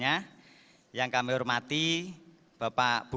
yang saya hormati ketua bawas dprd jawa tengah beserta seluruh jajaran